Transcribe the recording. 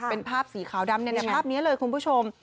เป็นภาพสีขาวดำภาพนี้เลยคุณผู้ชม